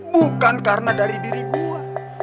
bukan karena dari diri gue